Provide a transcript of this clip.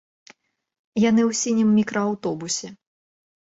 Яны ў сінім мікрааўтобусе.